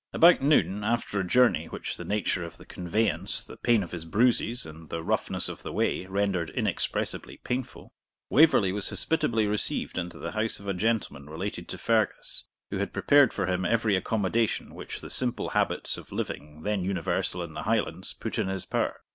About noon, after a journey which the nature of the conveyance, the pain of his bruises, and the roughness of the way rendered inexpressibly painful, Waverley was hospitably received into the house of a gentleman related to Fergus, who had prepared for him every accommodation which the simple habits of living then universal in the Highlands put in his power.